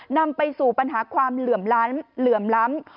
นำไปสู่ปัญหาความเหลื่อมเหลื่อมล้ำ